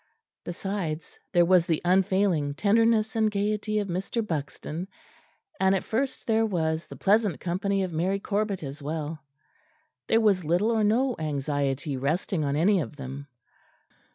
Besides, there was the unfailing tenderness and gaiety of Mr. Buxton; and at first there was the pleasant company of Mary Corbet as well. There was little or no anxiety resting on any of them.